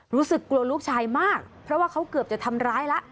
รู้สึกกลัวลูกชายมากเพราะว่าเขาเกือบจะทำร้ายแล้ว